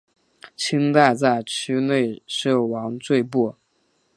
清代在区内设王赘步。